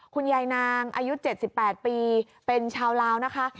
คุณยายนางอายุ๗๘ปีเป็นชาวลาวนะคะ